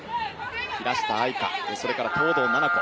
平下愛佳、それから東藤なな子。